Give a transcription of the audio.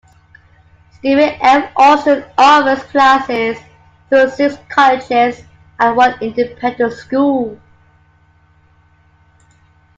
Stephen F. Austin offers classes through six colleges and one independent school.